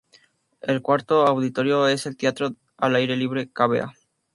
El cuarto auditorio es el teatro al aire libre "Cavea".